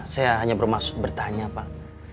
saya hanya bermaksud bertanya pak